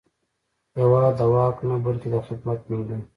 هېواد د واک نه، بلکې د خدمت نوم دی.